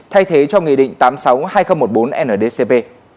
thay thế cho nghị định tám trăm sáu mươi hai nghìn một mươi bốn ndcp